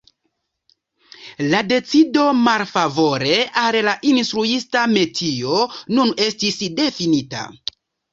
Lia decido malfavore al la instruista metio nun estis definitiva.